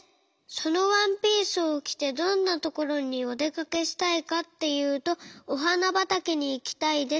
そのワンピースをきてどんなところにおでかけしたいかっていうとおはなばたけにいきたいです。